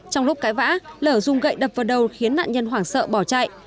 trong lúc cãi vã lở dùng gậy đập vào đầu khiến nạn nhân hoảng sợ bỏ chạy